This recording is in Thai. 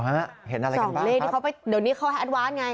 เห็นอะไรกันบ้างครับส่องเล่นเดี๋ยวนี้เขาอันวาสไง